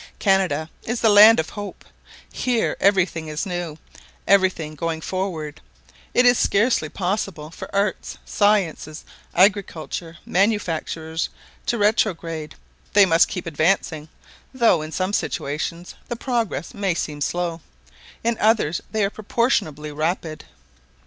Canada is the land of hope; here every thing is new; every thing going forward; it is scarcely possible for arts, sciences, agriculture, manufactures, to retrograde; they must keep advancing; though in some situations the progress may seem slow, in others they are proportionably rapid.